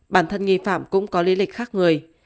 bản thân nghi phạm cũng có lý lịch khác người